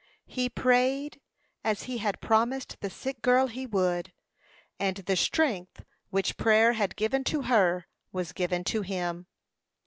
He prayed, as he had promised the sick girl he would, and the strength which prayer had given to her was given to him.